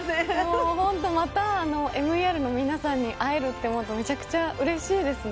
もうホントまたＭＥＲの皆さんに会えるって思うとめちゃくちゃ嬉しいですね